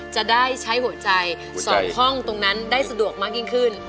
จะได้ใช้หัวใจ๒ห้องตรงนั้นได้สะดวกมากยิ่งขึ้น